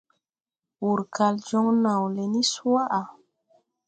Wur kal joŋ naw le ni swaʼa.